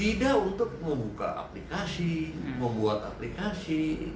tidak untuk membuka aplikasi membuat aplikasi